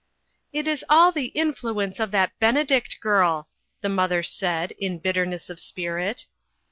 "It is all the influence of that Benedict girl," the mother said, in bitterness of spirit.